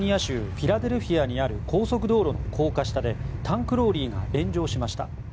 フィラデルフィアにある高速道路の高架下でタンクローリーが炎上しました。